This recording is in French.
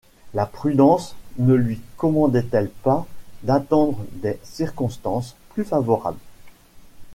La prudence ne lui commandait-elle pas d’attendre des circonstances plus favorables?...